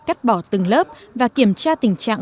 cắt bỏ từng lớp và kiểm tra tình trạng